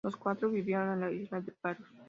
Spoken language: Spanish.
Los cuatro vivieron en la isla de Paros.